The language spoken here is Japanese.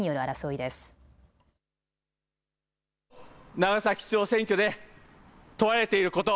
長崎市長選挙で問われていること。